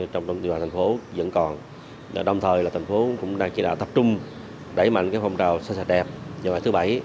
thành phố vẫn còn đồng thời là thành phố cũng đang chế đạo tập trung đẩy mạnh phong trào xa xa đẹp vào ngày thứ bảy